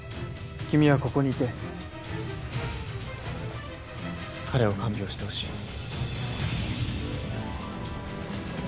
君はここにいて彼を看病してほしい。